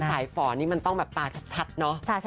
คือสายฝ่อนี่มันต้องแบบตาชัดนะ